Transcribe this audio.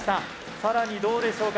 さらにどうでしょうか？